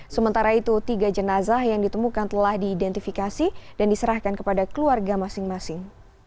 sementara itu tiga jenazah yang ditemukan telah diidentifikasi dan diserahkan kepada keluarga masing masing